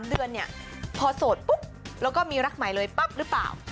เดือนเนี่ยพอโสดปุ๊บแล้วก็มีรักใหม่เลยปั๊บหรือเปล่า